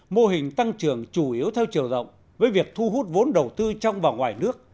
mô hình tăng trưởng chủ yếu theo chiều rộng với việc thu hút vốn đầu tư trong và ngoài nước